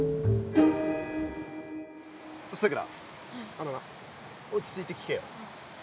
あのな落ち着いて聞けよ。